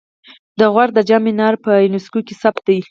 د غور د جام منار په یونسکو کې ثبت دی